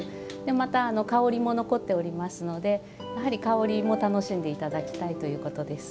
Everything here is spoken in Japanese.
また、香りも残っていますのでやはり香りも楽しんでいただきたいというものです。